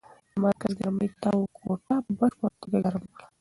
د مرکز ګرمۍ تاو کوټه په بشپړه توګه ګرمه کړه.